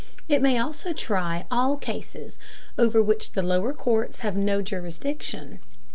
It may also try all cases over which the lower courts have no jurisdiction.